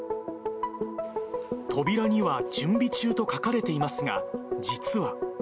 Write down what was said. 扉には準備中と書かれていますが、実は。